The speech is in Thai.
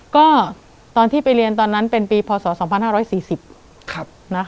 ก็ตอนที่ไปเรียนตอนนั้นเป็นปีพศ๒๕๔๐